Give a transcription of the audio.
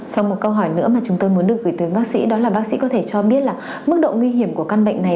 và một câu hỏi nữa mà chúng tôi muốn được gửi tới bác sĩ đó là bác sĩ có thể cho biết là mức độ nguy hiểm của căn bệnh này